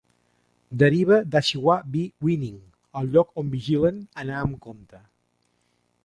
Deriva de "ashiwabiwining", el lloc on vigilen, anar amb compte.